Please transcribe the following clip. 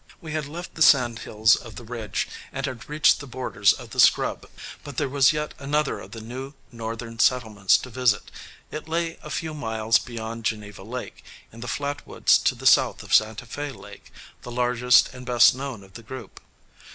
We had left the sandhills of the Ridge, and had reached the borders of the Scrub, but there was yet another of the new Northern settlements to visit. It lay a few miles beyond Geneva Lake, in the flat woods to the south of Santa Fé Lake, the largest and best known of the group.